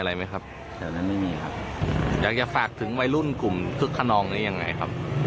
อยากจะฝากถึงวัยรุ่นกลุ่มทุกถนนกันนี้ยังไงครับ